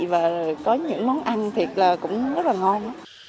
và có những món ăn thịt là cũng rất là ngon